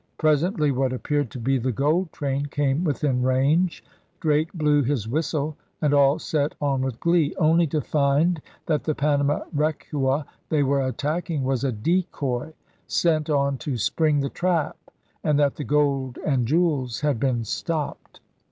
Presently what appeared to be the gold train came within range. Drake blew his whistle; and all set on with glee, only to find that the Panama recua they were attacking was a decoy sent on to spring the trap and that the gold and jewels had been stopped.